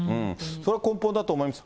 それが根本だと思います。